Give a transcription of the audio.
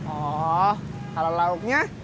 oh kalau lauknya